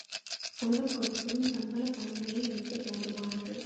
சங்கம் கொடுக்கும் சம்பளப் பணமே எனக்குப் போதுமானது.